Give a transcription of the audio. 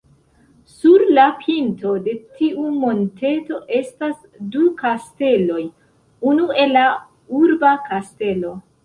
Sur la pinto de tiu monteto estas du kasteloj, unue la urba kastelo.